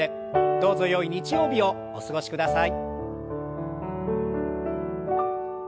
どうぞよい日曜日をお過ごしください。